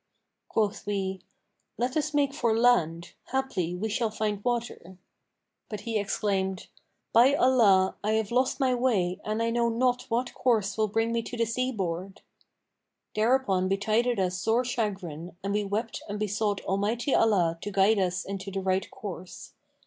Quoth we, 'Let us make for land; haply we shall find water.' But he exclaimed, 'By Allah, I have lost my way and I know not what course will bring me to the seaboard.' Thereupon betided us sore chagrin and we wept and besought Almighty Allah to guide us into the right course.